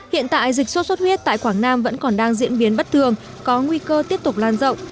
hiện tại dịch sốt xuất huyết tại quảng nam vẫn còn đang diễn biến bất thường có nguy cơ tiếp tục lan rộng